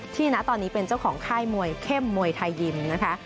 ณตอนนี้เป็นเจ้าของค่ายมวยเข้มมวยไทยยิมนะคะ